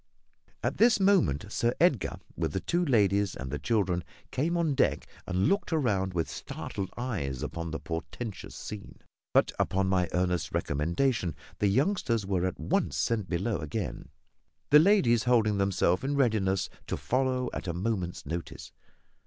At this moment Sir Edgar, with the two ladies and the children, came on deck and looked round with startled eyes upon the portentous scene; but, upon my earnest recommendation, the youngsters were at once sent below again, the ladies holding themselves in readiness to follow at a moment's notice.